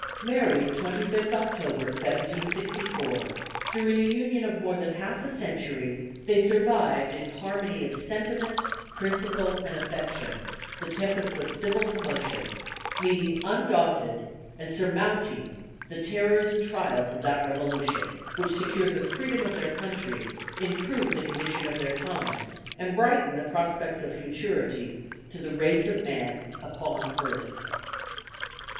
MARRIED 25 OCTOBER, 1764. DURING AN UNION OF MORE THAN HALF A CENTURY THEY SURVIVED, IN HARMONY OF SENTIMENT, PRINCIPLE, AND AFFECTION, THE TEMPESTS OF CIVIL COMMOTION; MEETING UNDAUNTED AND SURMOUNTING THE TERRORS AND TRIALS OF THAT REVOLUTION, WHICH SECURED THE FREEDOM OF THEIR COUNTRY; IMPROVED THE CONDITION OF THEIR TIMES; AND BRIGHTENED THE PROSPECTS OF FUTURITY TO THE RACE OF MAN UPON EARTH.